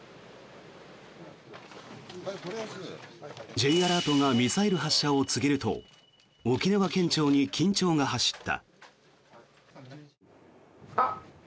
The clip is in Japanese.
Ｊアラートがミサイル発射を告げると沖縄県庁に緊張が走った。